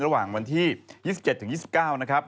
ระหว่างวันที่๒๗๒๙นะครับ